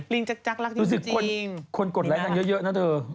ลิงจักรรักจริงคุณกดแรงกันเยอะนะเธอ